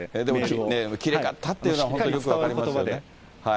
でも、きれかったっていうのは本当によく分かります。